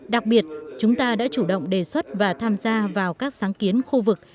đặc biệt chúng ta đã chủ động đề xuất và tham gia vào các sáng kiến khu vực